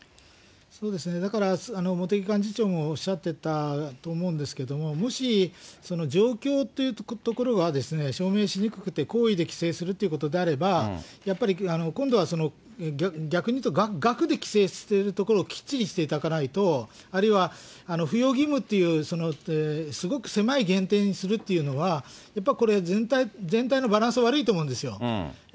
だから、茂木幹事長もおっしゃってたと思うんですけど、もし、状況というところは証明しにくくてこういで規制するということであれば、やっぱり今度は逆に言うと、額で規制しているところをきっちりしていただかないと、あるいは扶養義務というすごく狭い限定にするっていうのは、やっぱりこれ、全体のバランスが悪いと思うんですよ。